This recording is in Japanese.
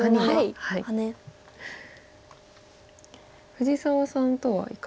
藤沢さんとはいかがですか？